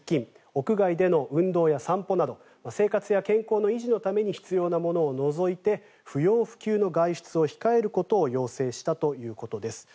屋外での運動や散歩など生活や健康の維持のために必要なものを除いて不要不急の外出を控えることを要請したということです。